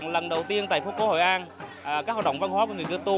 lần đầu tiên tại phố cổ hội an các hoạt động văn hóa của người cơ tu